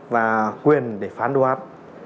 và quyền để phán đoán